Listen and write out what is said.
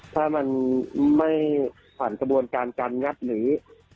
ถ้ามันไม่ผ่านกระบวนการการงัดหนี